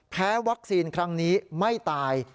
แพ้วัคซีนครั้งนี้ไม่ตาย